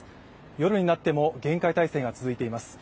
夜になっても厳戒態勢が続いています。